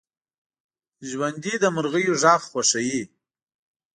ژوندي د مرغیو غږ خوښوي